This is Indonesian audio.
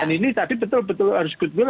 dan ini tadi betul betul harus goodwill